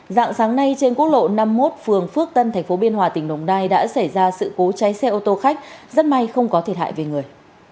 dạng sáng nay trên quốc lộ năm mươi một phường phước tân tp biên hòa tỉnh đồng nai đã xảy ra sự cố cháy xe ô tô khách rất may không có thiệt hại về người